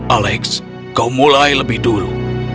alex kau mulai lebih dulu